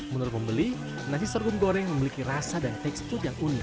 menurut pembeli nasi sorghum goreng memiliki rasa dan tekstur yang unik